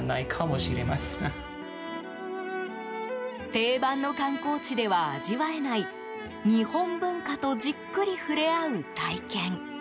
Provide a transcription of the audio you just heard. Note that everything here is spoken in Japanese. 定番の観光地では味わえない日本文化とじっくり触れ合う体験。